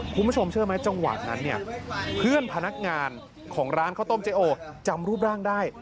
คุณผู้ชมเชื่อไหมจังหวะนั้นเนี่ยเพื่อนพนักงานของร้านข้าวต้มเจ๊โอจำรูปร่างได้